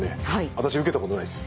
私受けたことないです。